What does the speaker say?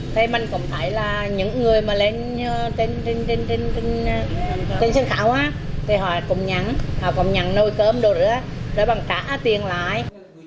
thế mình cũng thấy là những người mà lên trên sân khảo thì họ cũng nhắn nồi cơm đồ nữa rồi bằng trả tiền lại